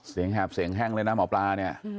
เสียงแหบเสียงแห้งเลยนะหมอปลา